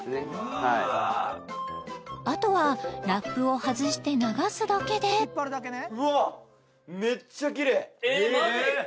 あとはラップを外して流すだけでえっマジ？